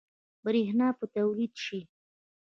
برښنا به تولید شي؟